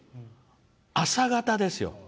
朝方ですよ。